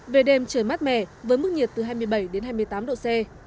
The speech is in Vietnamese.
về đêm trời mát mẻ với mức nhiệt từ hai mươi bảy đến hai mươi tám độ c